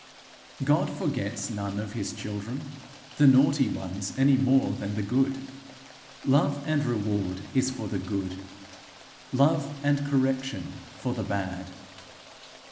God forgets none of his children the naughty ones any more than the good. Love and reward is for the good: love and correction for the bad.